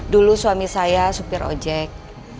dulu suami saya supir ojek